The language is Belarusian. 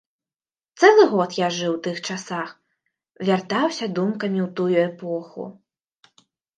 Цэлы год я жыў у тых часах, вяртаўся думкамі ў тую эпоху.